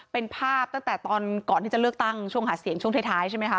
เป็นภาพตั้งแต่ตอนก่อนที่จะเลือกตั้งช่วงหาเสียงช่วงท้ายใช่ไหมคะ